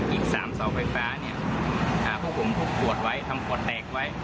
อีก๓เสาไฟฟ้าเนี่ยพวกผมทุกขวดไว้ทำขวดแตกไว้